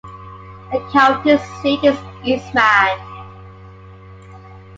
The county seat is Eastman.